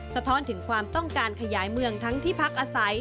สะท้อนถึงความต้องการขยายเมืองทั้งที่พักอาศัย